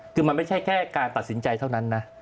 คือมันไม่ใช่แค่การตัดสินใจเท่านั้นนะ